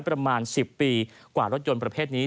ประมาณ๑๐ปีกว่ารถยนต์ประเภทนี้